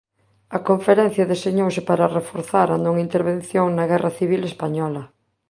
A conferencia deseñouse para reforzar a non intervención na guerra civil española.